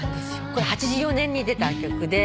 これ８４年に出た曲で。